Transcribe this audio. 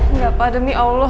enggak pak demi allah